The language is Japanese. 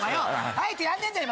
あえてやんねえんだよ